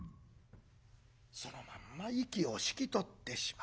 そのまんま息を引き取ってしまう。